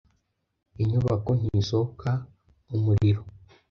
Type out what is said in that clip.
Inyubako ntisohoka umuriro.